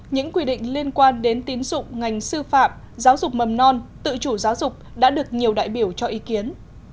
những quy định liên quan đến tín dụng ngành sư phạm giáo dục mầm non tự chủ giáo dục đã được nhiều đại biểu cho ý kiến